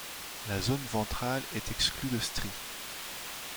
La zone ventrale est exclue de stries.